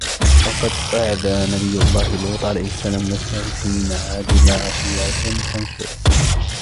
وَقَدْ أَعْذَرَ نَبِيُّ اللَّهِ لُوطٌ عَلَيْهِ السَّلَامُ نَفْسَهُ حِينَ عَدِمَ عَشِيرَةً تَنْصُرُهُ